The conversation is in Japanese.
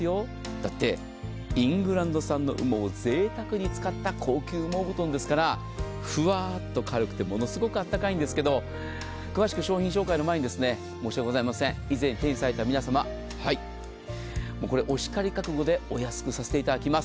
だって、イングランド産の羽毛をぜいたくに使った高級羽毛布団ですから、ものすごく温かいんですけれども、詳しく商品紹介の前に申し訳ございません、以前手にされた皆様、お叱り覚悟でお安くさせていただきます。